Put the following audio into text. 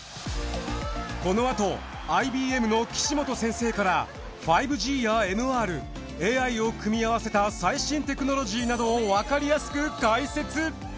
このあとＩＢＭの岸本先生から５ＧやＭＲＡＩを組み合わせた最新テクノロジーなどをわかりやすく解説。